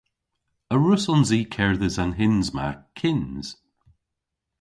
A wrussons i kerdhes an hyns ma kyns?